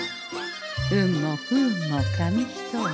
運も不運も紙一重。